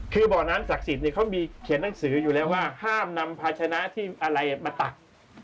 คือบ่อน้ำศักดิ์สิทธิ์เขามีเขียนหนังสืออยู่แล้วว่าห้ามนำภาชนะที่อะไรมาตัก